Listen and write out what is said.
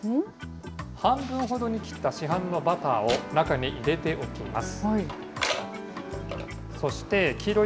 半分ほどに切った市販のバターを中に入れておきます。